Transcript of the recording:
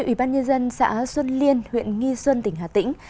ủy ban nhân dân xã xuân liên huyện nghi xuân tỉnh hà tĩnh